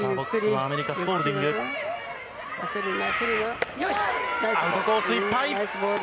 アウトコースいっぱい。